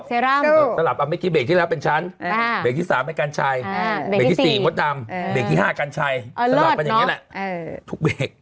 สลับเอาเมื่อกี้เบรกที่แล้วเป็นฉันเบรกที่๓เป็นกัญชัยเบรกที่๔มดดำเบรกที่๕กัญชัยสลับกันอย่างนี้แหละทุกเบรก